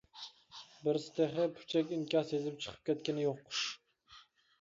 بىرسى تېخى پۇچەك ئىنكاس يېزىپ چىقىپ كەتكىنى يوق.